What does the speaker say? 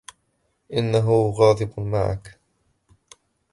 إنهُ غاضب معكَ.